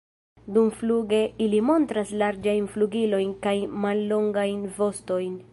Dumfluge ili montras larĝajn flugilojn kaj mallongajn vostojn.